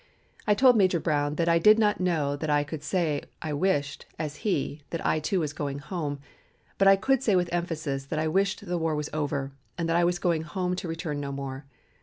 I told Major Brown that I did not know that I could say I wished (as he) that I too was going home, but I could say with emphasis that I wished the war was over and that I was going home to return no more.